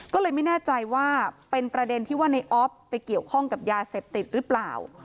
ก็เลยไม่แน่ใจว่าเป็นประเด็นที่ว่าในออฟไปเกี่ยวข้องกับยาเสพติดหรือเปล่า